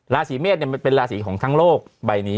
ราศีเมษมันเป็นราศีของทั้งโลกใบนี้